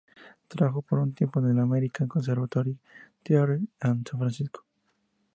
Trabajó por un tiempo en el American Conservatory Theater en San Francisco.